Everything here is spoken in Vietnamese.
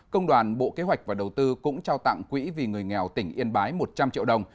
công đoàn bộ kế hoạch và đầu tư cũng trao tặng quỹ vì người nghèo tỉnh yên bái một trăm linh triệu đồng